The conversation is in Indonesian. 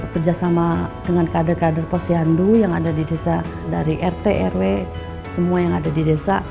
kerjasama dengan kader kader posyandu yang ada di desa dari rt rw semua yang ada di desa